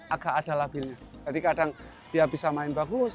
agak ada labilnya jadi kadang dia bisa main bagus